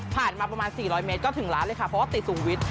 ผ่านมาประมาณ๔๐๐เมตรก็ถึงร้านเลยค่ะเพราะติดสุขุมวิทย์